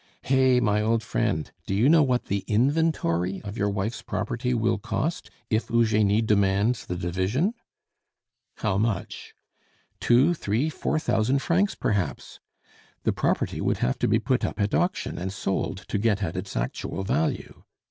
"Hey! my old friend, do you know what the inventory of your wife's property will cost, if Eugenie demands the division?" "How much?" "Two, three, four thousand francs, perhaps! The property would have to be put up at auction and sold, to get at its actual value.